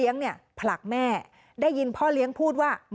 มีคนร้องบอกให้ช่วยด้วยก็เห็นภาพเมื่อสักครู่นี้เราจะได้ยินเสียงเข้ามาเลย